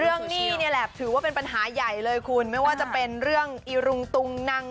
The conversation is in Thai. หนี้นี่แหละถือว่าเป็นปัญหาใหญ่เลยคุณไม่ว่าจะเป็นเรื่องอีรุงตุงนัง